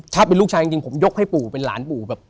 ถ้าเป็นลูกชายจริงผมยกให้ปู่เป็นหลานปู่แบบ